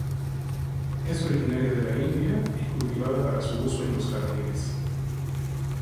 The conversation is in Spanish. Es originaria de la India y cultivada para su uso en los jardines.